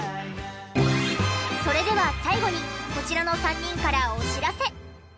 それでは最後にこちらの３人からお知らせ！